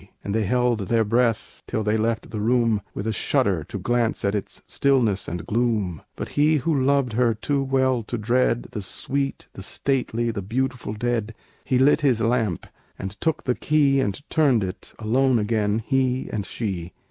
And they held their breath till they left the room, With a shudder, to glance at its stillness and gloom. But he who loved her too well to dread The sweet, the stately, the beautiful dead, He lit his lamp, and took the key And turned it alone again, he and she.